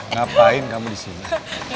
ngapain kamu disini